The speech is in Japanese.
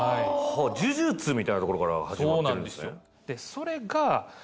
呪術みたいなところから始まってるんですね。